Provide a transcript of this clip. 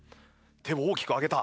手を大きく上げた。